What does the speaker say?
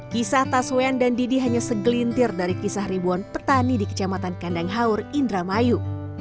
kisah taswean dan didi hanya segelintir dari kisah ribuan petani di kecamatan kandang haur indramayu